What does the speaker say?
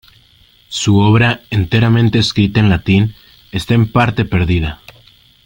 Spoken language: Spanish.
Su obra, enteramente escrita en latín, está en parte perdida.